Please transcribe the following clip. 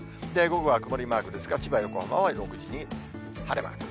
午後は曇りマークですが、千葉、横浜は６時に晴れマーク。